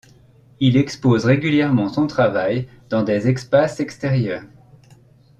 Il expose régulièrement son travail dans des espaces extérieurs.